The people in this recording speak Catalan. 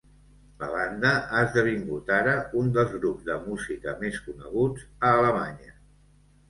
La banda ha esdevingut ara un dels grups de música més coneguts a Alemanya.